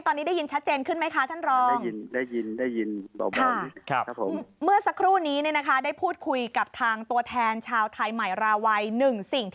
ตอนนี้ได้ยินชัดเจนขึ้นไหมคะท่านรอง